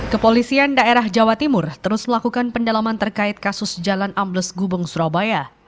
kepolisian daerah jawa timur terus melakukan pendalaman terkait kasus jalan ambles gubeng surabaya